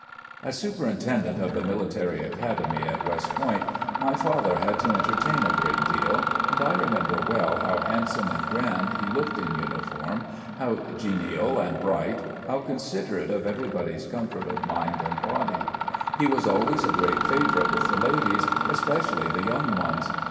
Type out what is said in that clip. ...'' As Superintendent of the Military Academy at West Point my father had to entertain a good deal, and I re member well how handsome and grand he looked in uni form, how genial and bright, how considerate of every body's comfort of mind and body. He was always a great favourite with the ladies, especially the young ones.